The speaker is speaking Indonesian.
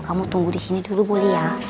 kamu tunggu di sini dulu boleh ya